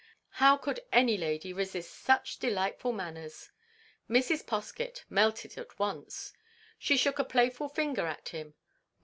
How could any lady resist such delightful manners? Mrs. Poskett melted at once. She shook a playful finger at him.